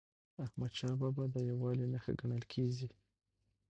احمدشاه بابا د یووالي نښه ګڼل کېږي.